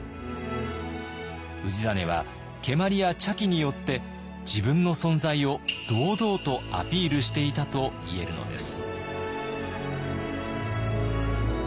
氏真は蹴鞠や茶器によって自分の存在を堂々とアピールしていたといえるのです。